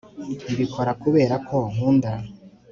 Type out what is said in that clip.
mbikora kubera ko nkunda